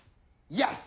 よし！